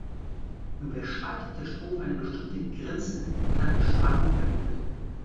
Überschreitet der Strom eine bestimmte Grenze, kann die Spannung einbrechen.